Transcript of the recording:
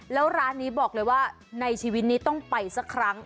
แล้วร้านนี้บอกเลยว่าในชีวิตนี้ต้องไปสักครั้ง